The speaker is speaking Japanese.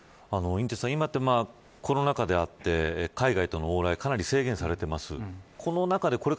寅てつさん、今はコロナ禍であって、海外との往来をかなり制限されています。